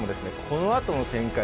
このあとの展開